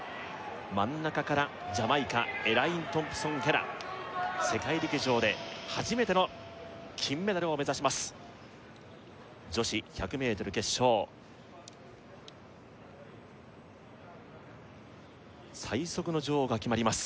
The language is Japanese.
真ん中からジャマイカエライン・トンプソンヘラ世界陸上で初めての金メダルを目指します女子１００ｍ決勝最速の女王が決まります